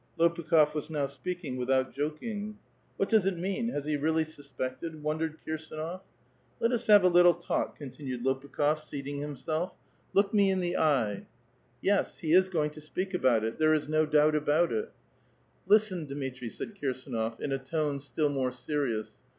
^pukli6f was now speaking without joking. '*■ What does it mean? Has he really suspected?" won dered Kirsdnof ..Let us have a little talk," continued Lopukh6f, seating i^toself. " Look me in the eye." *"* Yes, he is going to speak about it; there is no doubt a^iit it." *"*" Listen, Dmitri," said Kirsdnof, in a tone still more serious.